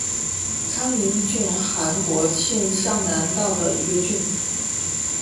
昌宁郡韩国庆尚南道的一个郡。